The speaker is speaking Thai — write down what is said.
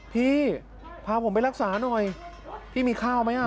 พี่พาผมไปรักษาหน่อยพี่มีข้าวไหม